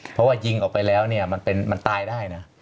เพราะว่ายิงออกไปแล้วเนี่ยมันตายได้นะ